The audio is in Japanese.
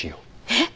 えっ？